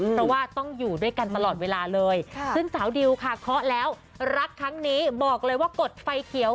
เพราะว่าต้องอยู่ด้วยกันตลอดเวลาเลยซึ่งสาวดิวค่ะเคาะแล้วรักครั้งนี้บอกเลยว่ากดไฟเขียว